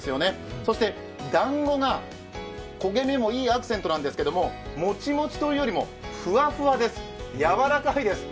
そしてだんごが焦げ目もいいアクセントなんですけどモチモチというよりもふわふわです、柔らかいです。